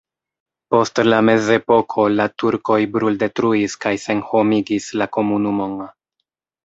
Post la mezepoko la turkoj bruldetruis kaj senhomigis la komunumon.